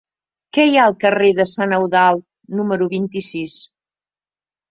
Què hi ha al carrer de Sant Eudald número vint-i-sis?